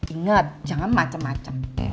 ingat jangan macem macem